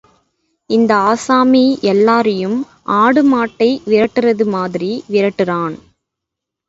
இந்த ஆசாமி எல்லாரையும் ஆடு மாட்டைப் விரட்டுறதுமாதிரி விரட்டுறான்.